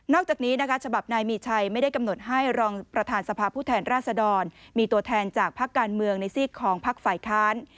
จากนี้นะคะฉบับนายมีชัยไม่ได้กำหนดให้รองประธานสภาพผู้แทนราษดรมีตัวแทนจากภาคการเมืองในซีกของพักฝ่ายค้าน